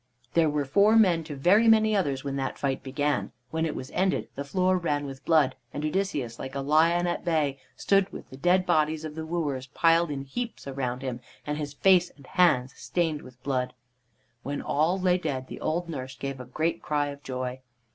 There were four men to very many others when that fight began. When it was ended the floor ran with blood, and Odysseus, like a lion at bay, stood with the dead bodies of the wooers piled in heaps around him and his face and hands stained with blood. When all lay dead, the old nurse gave a great cry of joy.